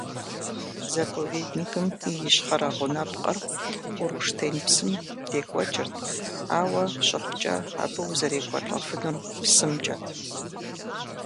Заповедникым и ищхъэрэ гъунапкъэр Уруштен псым декӀуэкӀырт, ауэ щыхъукӀэ абы узэрекӀуэлӀэфынур псымкӀэт.